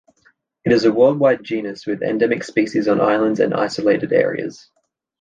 It is a worldwide genus with endemic species on islands and isolated areas.